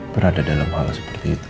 berada dalam hal seperti itu